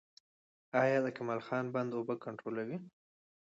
آیا د کمال خان بند اوبه کنټرولوي؟